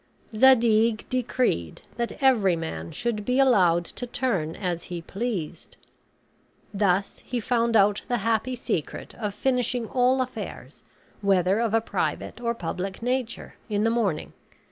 Zadig decreed that every man should be allowed to turn as he pleased. Thus he found out the happy secret of finishing all affairs, whether of a private or public nature, in the morning.